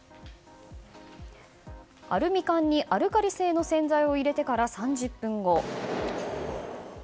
アルミ缶にアルカリ性の洗剤を入れてから３０分後。